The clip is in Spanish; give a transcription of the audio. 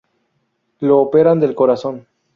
Lo operaran del corazón.